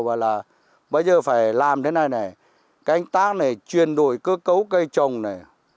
bà là bây giờ phải làm thế này này cánh tác này chuyển đổi cơ cấu cây trồng này